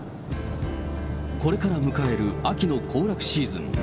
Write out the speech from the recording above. これから迎える秋の行楽シーズン。